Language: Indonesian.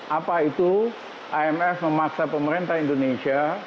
apa itu imf memaksa pemerintah indonesia